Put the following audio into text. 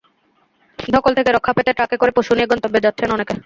ধকল থেকে রক্ষা পেতে ট্রাকে করে পশু নিয়ে গন্তব্যে যাচ্ছেন অনেকে।